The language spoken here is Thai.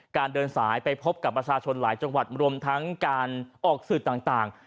เดินสายไปพบกับประชาชนหลายจังหวัดรวมทั้งการออกสื่อต่าง